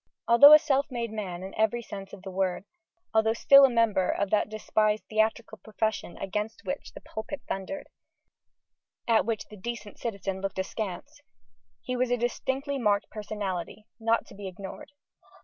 Although a self made man in every sense of the word, although still a member of that despised theatrical profession against which the pulpit thundered, at which the decent citizen looked askance, he was a distinctly marked personality, not to be ignored.